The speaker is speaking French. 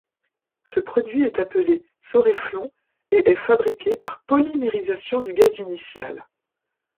Ce produit est appelé Soreflon, et est fabriqué par polymérisation du gaz initial.